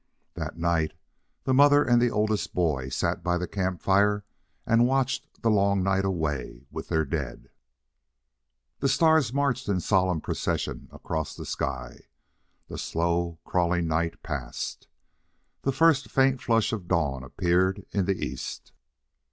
That night the mother and the oldest boy sat by the campfire and watched the long night away with their dead. The stars marched in solemn procession across the sky. The slow, crawling night passed. The first faint flush of dawn appeared in the East.